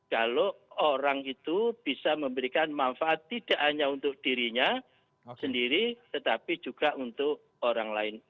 kalau orang itu bisa memberikan manfaat tidak hanya untuk dirinya sendiri tetapi juga untuk orang lain